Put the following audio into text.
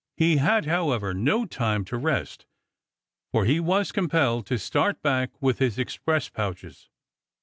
He had however no time to rest, for he was compelled to start back with his express pouches.